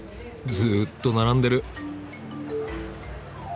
ずっと並んでる。